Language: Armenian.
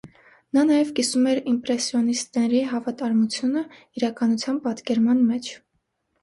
Նա նաև կիսում էր իմպրեսսիոնիստների հավատարմությունը իրականության պատկերման մեջ։